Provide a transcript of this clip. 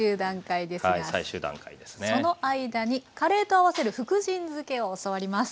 最終段階ですがその間にカレーと合わせる福神漬を教わります。